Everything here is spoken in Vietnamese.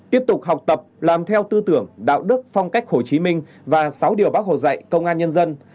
tiếp tục học tập làm theo tư tưởng đạo đức phong cách hồ chí minh và sáu điều bác hồ dạy công an nhân dân